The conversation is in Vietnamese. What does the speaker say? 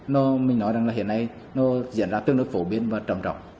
nó mình nói rằng là hiện nay nó diễn ra tương đối phổ biến và trầm trọng